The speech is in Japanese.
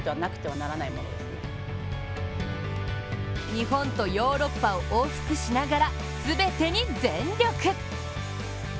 日本とヨーロッパを往復しながら全てに全力。